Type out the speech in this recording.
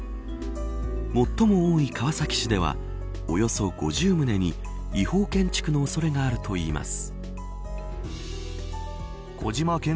最も多い川崎市ではおよそ５０棟に違法建築の恐れがあるといいます。